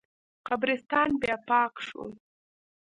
قبرستان بیا پاک شو.